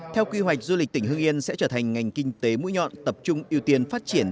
theo quy hoạch du lịch tỉnh hưng yên sẽ trở thành ngành kinh tế mũi nhọn tập trung ưu tiên phát triển